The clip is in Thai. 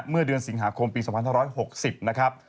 เมื่อเดือนสิงหาคมปี๒๕๖๐นะครับ